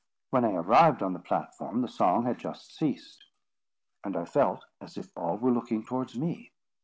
When I arrived on the platform, the song had just ceased, and I felt as if all were looking towards me.